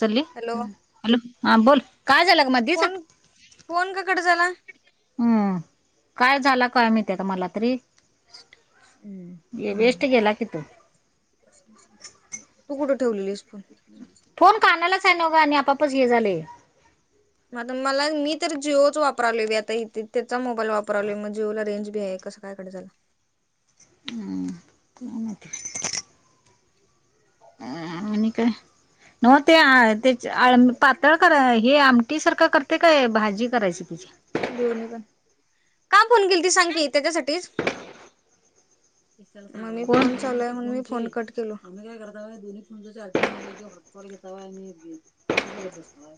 चलली.... hello hello,, हा बोल, काय झालं ग मध्ये..... फोन, फोन का कट झाला? हम्म, काय झाला काय माहीती आता मला तरी.... हम्म. ये वेस्ट गेला की तो...... तू कुठं ठेवलेलीस पण? फोन कानालाच हाय नव्ह आणि आपोआपच हे झालंय.... म आता मला मी तर जिओच वापरावलोय बाई आता इथ, त्याचा मोबाईल वापरायलोय, मग जिओला रेंज बी हाय.... कसं काय कट झालं? [inaudible] आणि काय? नवं ते आ त्याचं आळ पातळ कराय हे आमटी सारखं कर.... ते काय भाजी करायची त्याची... दोनी पण, का फोन केलती सांग की त्याच्यासाठीच मग मी कोण फोन चालू आहे म्हणून मी फोन कट चल आम्ही काय करताव दुनी फोनचं चार्जिंग संपल की हॉटपॉट घेताव आणि हे बघत बसलोय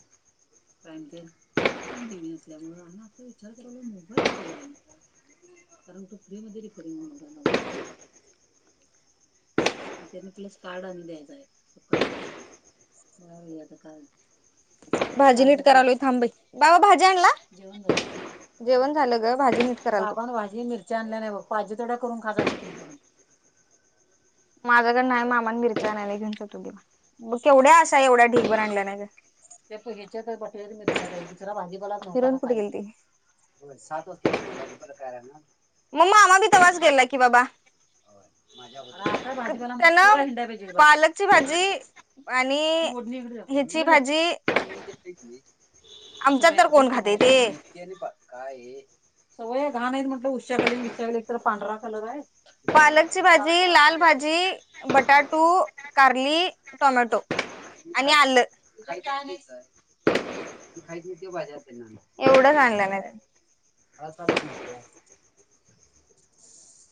प्राईम टाईम, टी. वी. नसल्यामुळ मी आता विचार करालोय मोबाईल कुठं गेला म्हणून, कारणं तु फ्री मध्ये रिपेरिंग होणार हाय माझा फोन म त्यांना तेच कार्ड आणून द्यायचय कार्ड भाजी नीट करालोय थांब बाई, बाबा भाजी आणला? जेवण झालं? जेवण झालं ग. भाजी नीट करायलतो बाबानं भाजी, मिरच्या आणल्या नाही बघ, पाहिजे तेवढ्या करून खा जा चटणी माझ्याकड नाही, मामान मिरच्या आणायला घेऊन जा तोडून.... म केवढ्या अशा एवढ्या ढीगभर आणल्या नायत्या [unintelligible] कुठे गेली ती? सात वाजता गेली, भाजीपाला कराडला, मग् मामा बी तवाच गेलाय की बाबा त्यानं पालकची भाजी आणि ह्यची भाजी, आमच्यातर कोण खात दीदी सवया घाण हायत म्हटलं, उषाखाली मिशाखाली एक तर पांढरा कलर हाय पालकची भाजी, लाल भाजी बटाटू, कारली, टोमॅटो आणि आलं, ती खायत होती भाज्या एवढंच आणलय मिन [inaudible]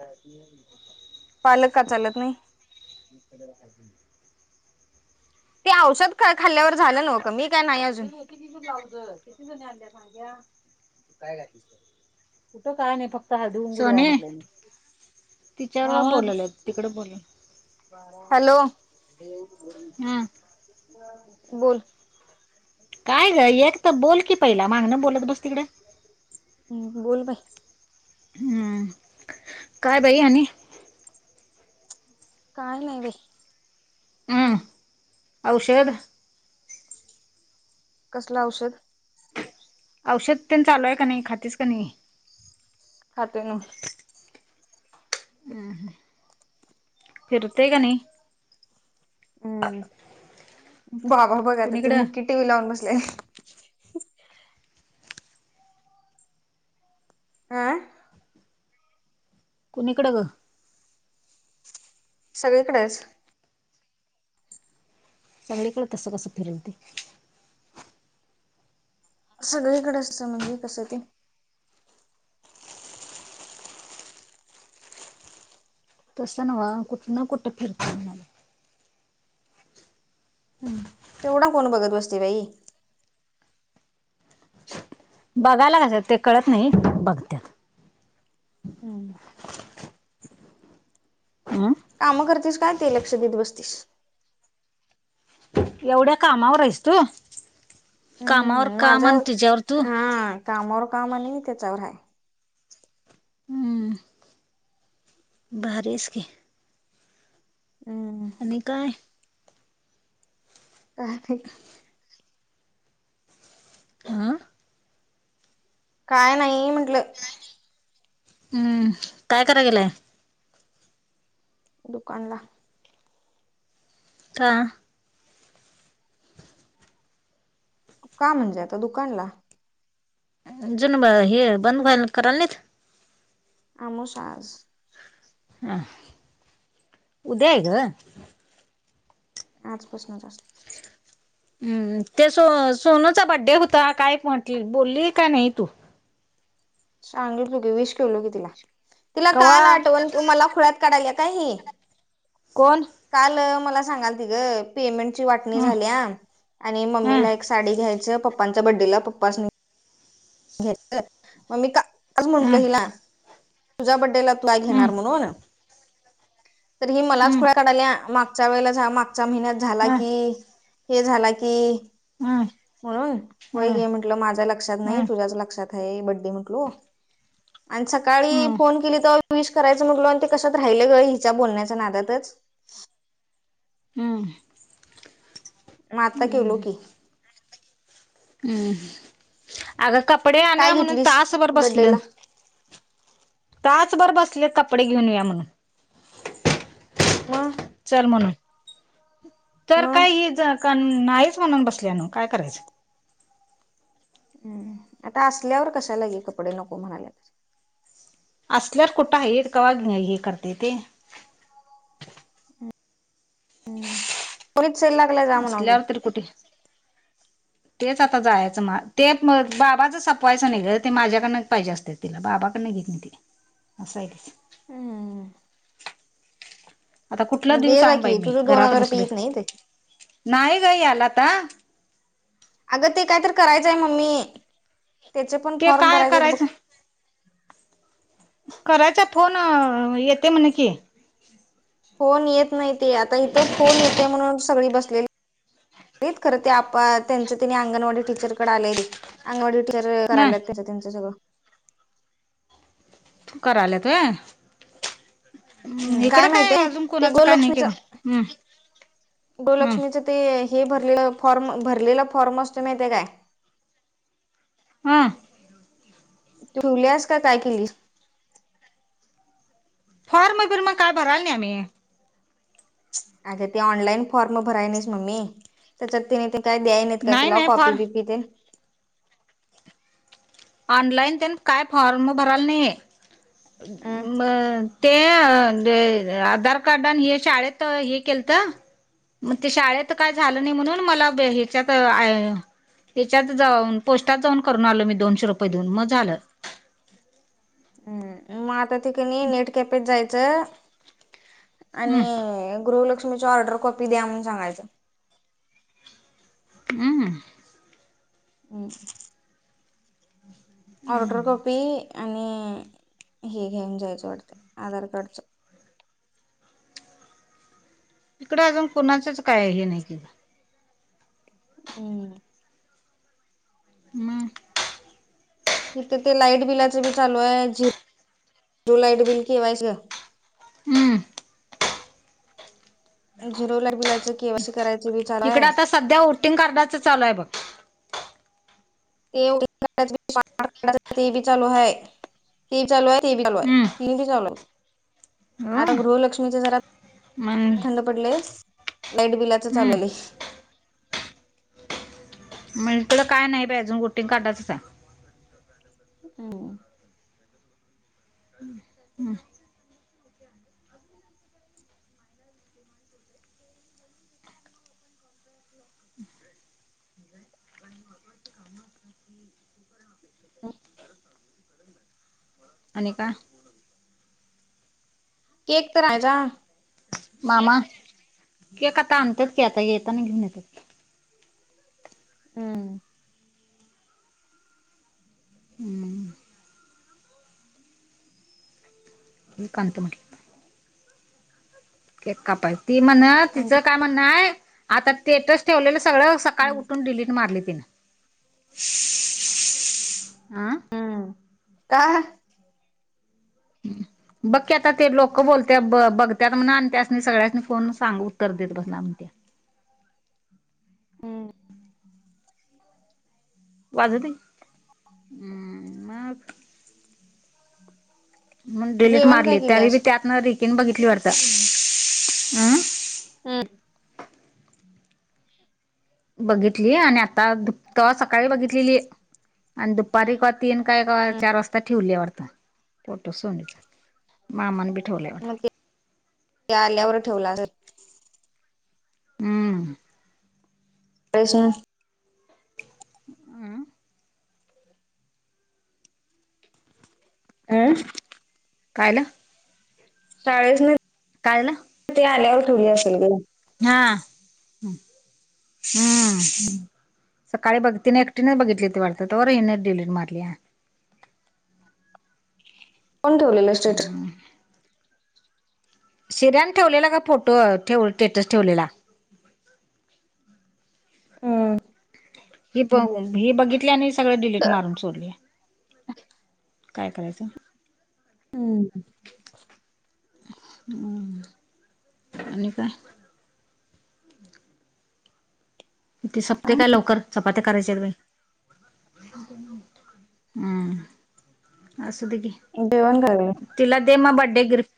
[inaudible] पालक का चालत नाही? ते औषध खा खाल्ल्यावर झालं नव कमी का नाही अजून? कुठनं आणल्या भाज्या, कुठ काय नाही फक् सोने तिच्यावर बोलायला तिकडे [unintelligible] बोलायला हॅलो हम्म. बोल काय ग, एक त बोल की पहिला, मागन बोलत बस तिकड. हम्म बोल बाई. हम्म. काय बाई आणि? काय नाही बाई. हम्म. औषध कसलं औषध? औषध तेन चालू हाय का नाही, खातीस का नाई? खाते न. फिरते क नाही? हम्म बाबा बघायले ती कुणीकडं मुक्की टीव्ही लावून बसते. आह.. कुणीकड ग? सगळी कडच. चांगलीकडे तस बस फिरलते. सगळीकडे असतं म्हणजे कस साठी? तसं नव्ह कुठं न कुठं फिरतात. हम्म तेवढा कोण बघत बसते बाई. बघायला हव ते कळत नाही बघत हम्म. हम्म काम करतीस काय ते लक्ष देत बसतीस? एवढ्या कामावर आहेस तू कामावर हम्म का माझ्या म्हण जेवतू हा कामावर काम आणि मी का चार आहे. हम्म. भारी आहेस की. हम्म. आणि काय? का [unintelligible] आह... काय नाही म्हंटलं. हम्म, काय कराय लागली हाय? दुकान ला. का? का म्हणजे आता दुकानला जुून हे बंद वल करालीत? अमोशा आज हा उद्या हाय ग. आजपासून जास्त. हम् ते सो सोनूचा बड्डे होता काय म्हटले बोलली का नाही तू. सांगितलं की विश केलो की तिला तिला कवा काल आठवण मला खुळ्यात काढायला काय ही. कोण. काल मला सांगाल ति गं पेमेंट. ची वाटणी ह झाल्या आणि ह मम्मीला एक साडी घ्यायचं पप्पांच्या बर्थडेला पप्पास्नी. घ्यायचं मग मी कालच ह म्हंटलो हिला. तुझ्या बड्डेला तू काय ह ह घेणार म्हणून. तर ही ह मलाच खोळ्या काढाली मागच्या वेळेला मागच्या महिन्यात झाला ह की. हे झाला की. हा. होय घे म्हंटलं माझ्या लक्षात नाही ह तुझ्याच लक्षात आहे बड्डे म्हंटलो. [inaudible] आणि सकाळी फोन केली तवा विश करायचं म्हटलो आणि ते कशात राहिलं ग हिच्या बोलण्याच्या नादातच. हम्म. म आता केलो की. हम्. अगं कपडे आण्या काय म्हणून घेतलीस तासभर बड्डेला बसल्यात. तासभर बसल्यात कपडे घेऊन या म्हणून. मग चल म्हणून तर मग काय हीच. कन नाहीच म्हणून बसल्यान काय करायचं. हम्म आता असल्यावर कशाला ही कपडे नको म्हणाल्यात. असल्यावर कुठं आहे हे कावा हे करत्या ती. पुरीत सेल लागलाय जा म्हण की. त्र कुटी. तेच आता जायचं मा ते म बाबाच संपवायचं नाही ग ते माझ्याकडन पाहिजे असत्यात. तिने बाबाकडे घेतली असा आहे तिचा. हम. आता कुठला दिवस दे जा सांग बाई की मी तुझं दोन घरात हजार रुपये बसले येत नाही ते नाही का याला आता. अगं ते काय तर करायचंय मम्मी त्याचे पण ते फॉर्म काय भरायचे बघ. करायचं करायचा फोन येते म्हणे की. फोन येत नाही ते आता इथं फोन येते म्हणून. सग बसली खर आपण ते त्यांचं त्यांनी अंगणवाडी टीचरकडे आलेली. अंगणवाडी टीचर ह करायलात त्या त्यांचं सगळं. कराल्यात होय. हम्म, इकडं काय माहितीय अजून ते कोणाचं काय नाही की गोलक्ष्मीच ग. गोलक्ष्मीच ते हे भरले फॉर्म भरलेला फॉर्म असत माहिते काय. हां. ठेवल्यास का काय केलेस. फॉरम फिर मग काय भराल नाही आम्ही. अ ते ऑनलाईन फॉर्म भराय नाही मम्मी त्याच्यात तिने ते. काय द्याय नाहीत का नाही तुला नाही कॉपी फॉर्म बिपी ते. ऑनलाईन ते काय फॉर्म भरायला नाही. अं ते डे आधार कार्ड आणि हे शाळेत हे केलत. म ते शाळेत काय झालं नाय म्हणून मला ह्याच्यात आय हयाच्यात जाऊन पोस्टात जाऊन करून आलो मी दोनशे रुपये देऊन म झालं. हम् मग आता ते क नी नेट कॅपेत जायचं आणि हम्म गृहलक्ष्मीच्या ऑर्डर कॉपी द्या म्हणून सांगायचं. [unintelligible] हम् हम्म ऑर्डर कॉपी आणि हे घेऊन जायचं वाटत आधार कार्डचं इकडं अजून कुणाचंच काय हे नाय केल अम्म [inaudible] इथं ते लाईट बिलाच बी चालू हाय ज ते लाईट बिल केवायच नं झिरो लाईट बिलाचं के वाय सी करायचं. बी चालू इकड आहे आता सध्या वोटिंग कार्डाचं चालू हाय बघ. ते [inaudible] ते बी चालू हाय ते चालू हाय हे चालू आहे हम्म ती चालू आता गृहलक्ष्मीच्या जरा मंग थंड पडलेचं लाईट बिलाच हम्म चालवलय. मग इकडं काय नाय बाय अजून वोटिंग कार्डाचाच हाय अम्म [unintelligible] [unintelligible] आणि का केक तर हाय जा मामा केक आता आणत्यात की आता येताना घेऊन येतात. हम्म हम्म एकांत म्हंटल केक कापाय ती म्हण आण तिचं काय म्हणणं हाय आता स्टेटस ठेवलेलं सगळं सकाळी तू उठून डिलीट मारली तिनं आं आ का? बघ की आता ते लोक बोलत्यात ब बघत्यात म्हणा आणि त्यासनी सगळ्यासनी फोन सांग उत्तर देत बसना म्हणतीया हम्म वाजूदे हम्म मग मग डिलीट जेवण काय मारली तरी बी केल्यास त्यातन रिकीन बघितली वाटतं अं अ बघितली आणि आता दुप्त तवा सकाळी बघितलेली आण दुपारी का तीन काय कवा चार वाजता ठेवलीया वाटतं फोटो सोनीचा मामानं बी ठेवलाय वाटतं मग ते आल्यावर ठेवला असलं हम्म कुठ हायसन अम्म अं काय झालं? [inaudible] काय आलं? ते आल्यावर ठेवली असेल गं. हा.. हम्म. सकाळी भक्तीन एकटीनच बघितलेली वाटतं त तंवर हीन डिलिट मारलिया. कोण ठेवलेलं? स्टेटस हम. शिऱ्यान ठेवलेला गं फोटो ठेव स्टेटस ठेवलेला. हम. हि ब हि बघितली आणि सगळ डिलीट मारून सोडली काय करायचं हम हम् आणि काय ते सपते काय लवकर चपात्या ये चल बाई.. हमम असुदे घे. जेवण करालोय तिला दे मग बडे ग्रिप्ट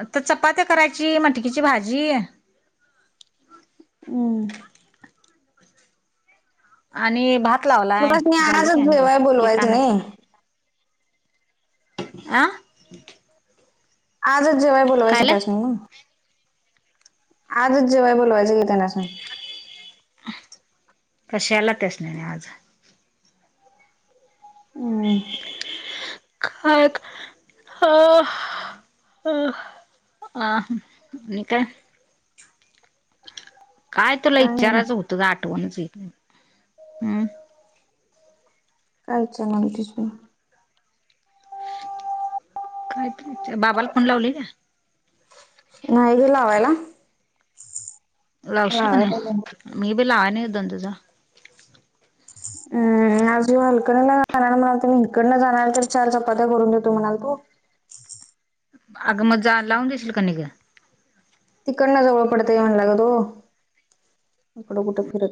आता चपात्या करायची मटकीची भाजी हम्म आणि भात मग लावलाय त्यासनी झालं की आजच आणि जेवाय काय केक बोलवायचं आणायचा नाही आं आजच जेवाय बोलवायला कायलं होत्यासा नव्ह आजच जेवाय बोलावयच कि त्यांनासनी कश्याला त्यासनी आणि आज हम् [inaudible] अ आणि काय. काय तुला इच्चाराचं होतो का आठवणच येत हम्. [inaudible] काय तरी हुतंय बाबाला फोन लावलेला नाही घे लावायला लावशील का हम्म नाही मी बी लावा नाही दोन दिवस झालं हम् आज जरां हलकर्णी जाणार म्हणालतो तुम्ही इकडनं जाणार तर चार चपात्या करून देतो म्हणालतो अगं मग जा लावून देशील कणी ग तिकडनं जवळ पडतय म्हणला ग तो.. इकडं कुठं फिरत